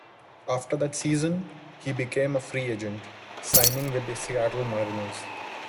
After that season, he became a free agent, signing with the Seattle Mariners.